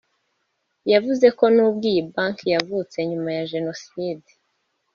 yavuze ko n’ubwo iyi banki yavutse nyuma ya Jenoside